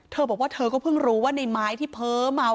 เธอบอกว่าเธอก็เพิ่งรู้ว่าในไม้ที่เพ้อเมา